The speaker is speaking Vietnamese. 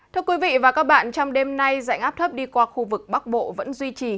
thưa quý vị và các bạn trong đêm nay dạnh áp thấp đi qua khu vực bắc bộ vẫn duy trì